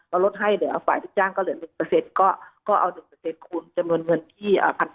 เราลดให้เหลือฝ่ายที่เจ้างก็เหลือ๑ก็เอา๑คูณเงินเงินที่๑๖๕๐